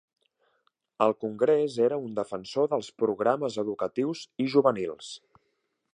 Al congrés era un defensor dels programes educatius i juvenils.